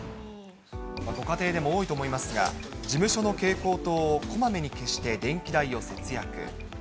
ご家庭でも多いと思いますが、事務所の蛍光灯をこまめに消して電気代を節約。